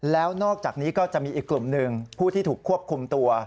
แล้วนอกจากนี้ก็จะมีอีกกลุ่มหนึ่งผู้ที่ถูกควบคุมตัว